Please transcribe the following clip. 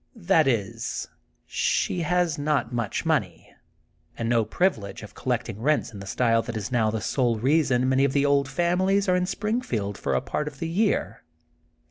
'* That is, she has not much money, and no privilege of collect ing rents in the style that is now the sole reason many of the old families*' are in Springfield for a part of the year.